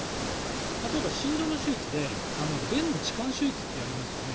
例えば、心臓の手術で弁の置換手術ってやりますよね。